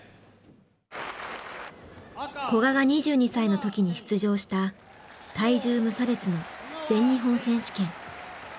古賀が２２歳の時に出場した体重無差別の全日本選手権。